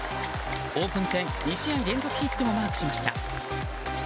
オープン戦２試合連続ヒットをマークしました。